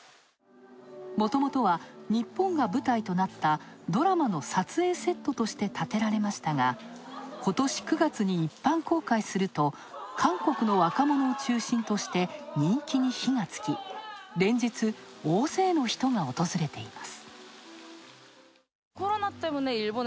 もともとは、日本が舞台となったドラマの撮影セットとして建てられましたが、今年９月に一般公開すると、韓国の若者を中心に人気に火がつき、連日、大勢の人が訪れています。